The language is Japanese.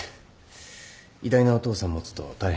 偉大なお父さんを持つと大変だ。